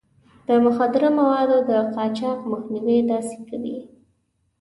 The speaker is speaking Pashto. د مخدره موادو د قاچاق مخنيوی داسې کوي.